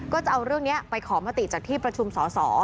ก็จะเอาเรื่องนี้ไปขอมติจากที่ประชุมสอสอ